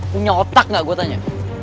punya otak gak gue tanya